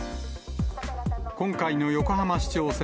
今回の横浜市長選。